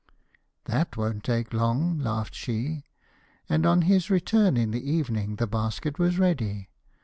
'That won't take long,' laughed she, and on his return in the evening the basket was ready.